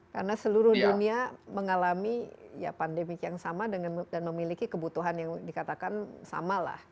karena seluruh dunia mengalami pandemi yang sama dan memiliki kebutuhan yang dikatakan sama lah